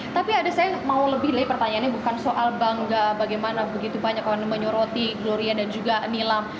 tapi ada saya mau lebih lagi pertanyaannya bukan soal bangga bagaimana begitu banyak orang menyoroti gloria dan juga nilam